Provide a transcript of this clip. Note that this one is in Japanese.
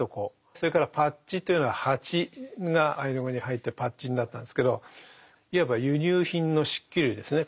それからパッチというのは鉢がアイヌ語に入ってパッチになったんですけどいわば輸入品の漆器類ですね。